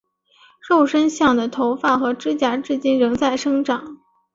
肉身像的头发和指甲至今仍在生长。